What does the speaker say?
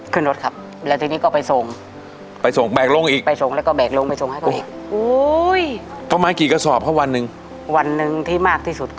ขึ้นรถครับแล้วทีนี้ก็ไปส่งไปส่งแบกลงอีกไปส่งแล้วก็แบกลงไปส่งให้เขาอีก